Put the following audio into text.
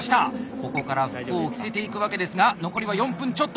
ここから服を着せていくわけですが残りは４分ちょっと。